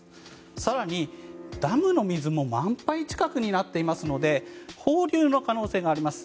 更に、ダムの水も満杯近くになっていますので放流の可能性があります。